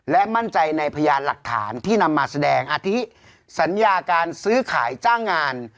และมั่นใจในพยานหลักฐานที่นำมาแสดงอาทิสัญญาการซื้อขายจ้างงาน